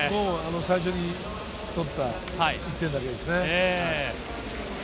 最初に取った１点だけですね。